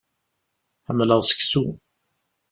Ḥemmleɣ seku.